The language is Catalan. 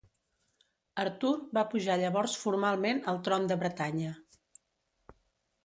Artur va pujar llavors formalment al tron de Bretanya.